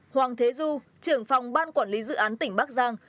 hoàng thế du trưởng phòng ban quản lý dự án tỉnh bắc giang